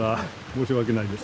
申し訳ないです。